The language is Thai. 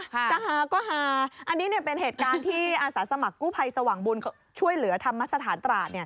จะฮาก็ฮาอันนี้เนี่ยเป็นเหตุการณ์ที่อาศาสรรคกู้ภัยสว่างบุญช่วยเหลือธรรมสถานตราดเนี่ย